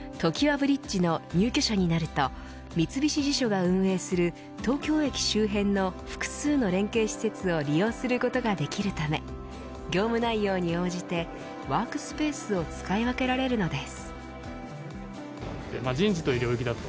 ブリッジの入居者になると三菱地所が運営する東京駅周辺の複数の連携施設を利用することができるため業務内容に応じてワークスペースを使い分けられるのです。